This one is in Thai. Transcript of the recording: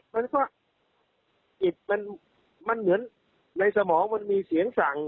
มันก็จิตมันเหมือนในสมองมันมีเสียงสั่ง